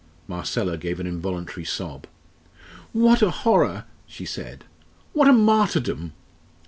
Marcella gave an involuntary sob! "What a horror!" she said, "what a martyrdom!"